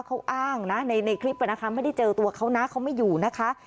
เขาอ้างนะในคลิปนะคะไม่ได้เจอตัวเขานะเขาไม่อยู่นะคะ